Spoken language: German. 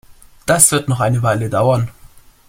Das wird noch eine Weile dauern.